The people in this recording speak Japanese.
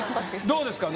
どうですか？